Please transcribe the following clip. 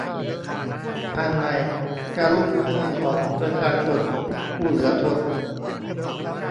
อ่านใหม่ การลุกฮือของประชาชนผู้เหลือทน